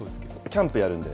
キャンプやるんで。